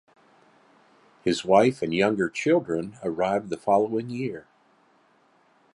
His wife and younger children arrived the following year.